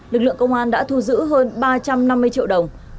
lực lượng công an đã thu giữ hơn ba trăm năm mươi triệu đồng